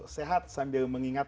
sehat sambil mengingat